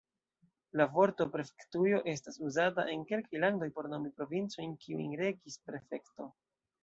La vorto prefektujo estas uzata en kelkaj landoj por nomi provincojn kiujn regis prefekto.